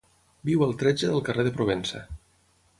Viu al tretze del carrer de Provença.